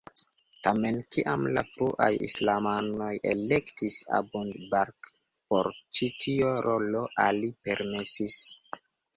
Tamen kiam la fruaj islamanoj elektis Abu Bakr por ĉi tio rolo, Ali permesis.